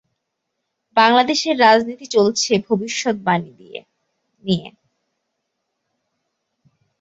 বাংলাদেশের রাজনীতি চলছে ভবিষ্যদ্বাণী নিয়ে।